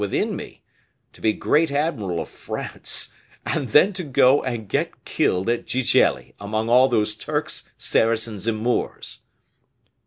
within me, to be great admiral of France and then to go and get killed at Gigelli, among all those Turks, Saracens, and Moors."